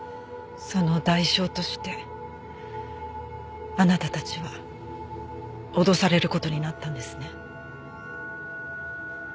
その代償としてあなたたちは脅される事になったんですね。